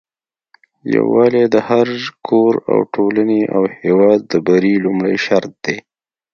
يوالي د هري کور او ټولني او هيواد د بری لمړي شرط دي